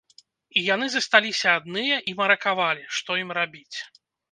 І яны засталіся адныя і маракавалі, што ім рабіць.